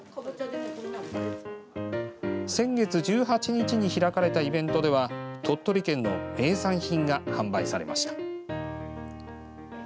先月１８日に開かれたイベントでは鳥取県の名産品が販売されました。